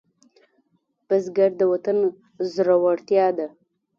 بزګر د وطن زړورتیا ده